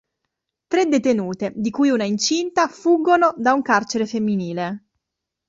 Tre detenute, di cui una incinta, fuggono da un carcere femminile.